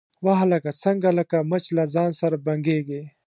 _وه هلکه، څنګه لکه مچ له ځان سره بنګېږې؟